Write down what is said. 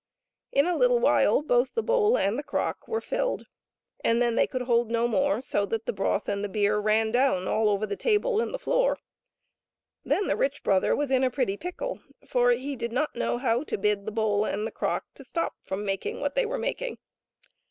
In a little while the bowl and the crock were filled, and then they could hold no more, so that the broth and beer ran down all over the table and the floor. Then the rich brother was in a pretty pickle, for he did not know how to bid the bowl and the crock to stop from making what they were making.